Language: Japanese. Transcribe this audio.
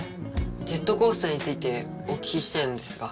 ジェットコースターについてお聞きしたいのですが。